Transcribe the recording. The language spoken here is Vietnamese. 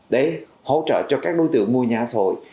để hỗ trợ cho các đối tượng mua nhà xã hội